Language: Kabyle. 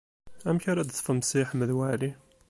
Amek ara d-teṭṭfem Si Ḥmed Waɛli?